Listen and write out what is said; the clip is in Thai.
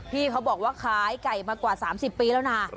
พี่เขาบอกว่าขายไก่มากว่า๓๐ปีแล้วนะ